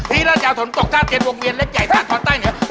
ราชยาฝนตกท่าเต้นวงเวียนเล็กใหญ่ทางตอนใต้เหนือ